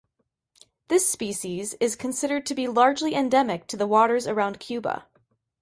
This species is considered to be largely endemic to the waters around Cuba.